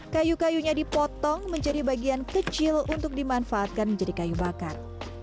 kayu kayunya dipotong menjadi bagian kecil untuk dimanfaatkan menjadi kayu bakar